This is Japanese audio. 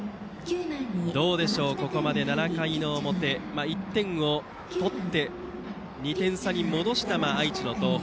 ここまで７回表１点を取って、２点差に戻した愛知の東邦。